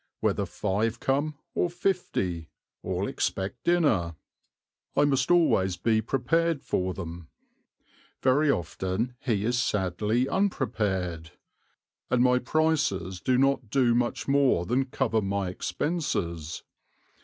Whether five come or fifty, all expect dinner; I must always be prepared for them" very often he is sadly unprepared "and my prices do not do much more than cover my expenses.